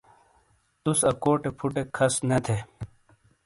توس اکوٹے فٹیک کھس نے تھے۔